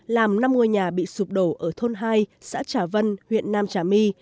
làm năm ngôi nhà bị sụp đổ ở thôn hai xã trà vân huyện nam trà my